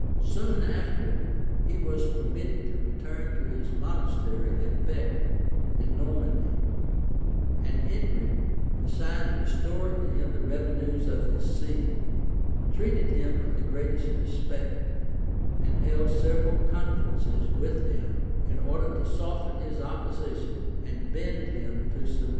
Soon after, he was permitted to return to his monastery at Bec, in Normandy; and Henry, besides restoring to him the revenues of his see, treated him with the greatest respect, and held several conferences with him, in order to soften his opposition, and bend him to submission.